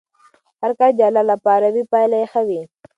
هر کار چې د الله لپاره وي پایله یې ښه وي.